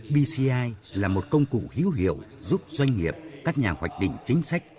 pci là một công cụ hiếu hiệu giúp doanh nghiệp các nhà hoạch định chính sách